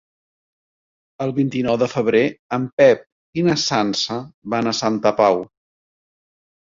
El vint-i-nou de febrer en Pep i na Sança van a Santa Pau.